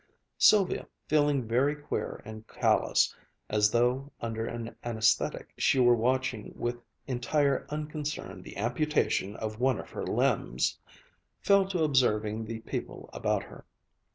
Sylvia, feeling very queer and callous, as though, under an anaesthetic, she were watching with entire unconcern the amputation of one of her limbs, fell to observing the people about her.